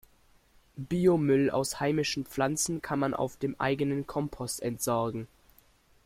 Biomüll aus heimischen Pflanzen kann man auf dem eigenen Kompost entsorgen.